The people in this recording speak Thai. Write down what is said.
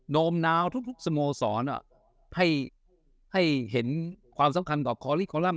โน้มนาวทุกสโมสรให้ให้เห็นความสำคัญต่อคอลลี่คอลลัม